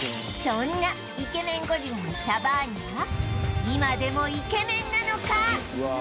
そんなイケメンゴリラのシャバーニは今でもイケメンなのか？